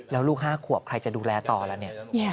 แล้วลูก๕ขวบใครจะดูแลต่อแล้ว